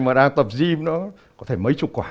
mà đào tập gym nó có thể mấy chục quả